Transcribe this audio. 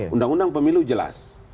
undang undang pemilu jelas